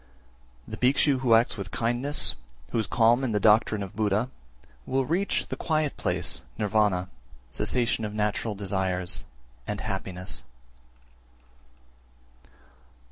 368. The Bhikshu who acts with kindness, who is calm in the doctrine of Buddha, will reach the quiet place (Nirvana), cessation of natural desires, and happiness.